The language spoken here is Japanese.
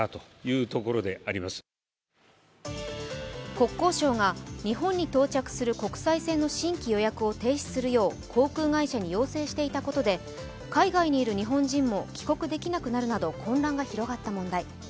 国交省が日本に到着する国際線の新規予約を停止するよう航空会社に要請していたことで海外にいる日本人も帰国できなくなるなど混乱が広がった問題。